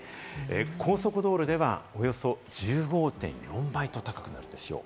高速道路ではおよそ１５．４倍と高くなってるでしょう。